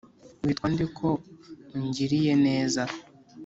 Witwa nde ko ungiriye neza